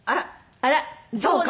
あら。